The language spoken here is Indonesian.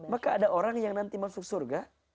maka ada orang yang nanti masuk surga